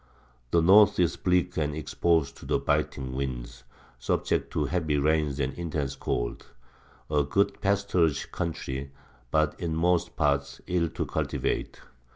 The north is bleak and exposed to biting winds, subject to heavy rains and intense cold; a good pasturage country, but in most parts ill to cultivate.